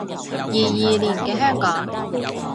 二二年嘅香港